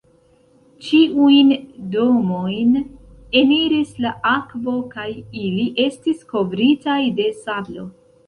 Ĉiujn domojn eniris la akvo kaj ili estis kovritaj de sablo.